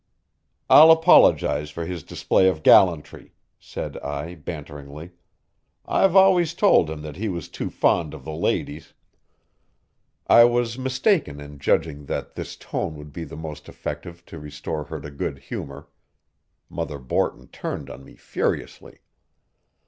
"I'll apologize for his display of gallantry," said I banteringly. "I've always told him that he was too fond of the ladies." I was mistaken in judging that this tone would be the most effective to restore her to good humor. Mother Borton turned on me furiously.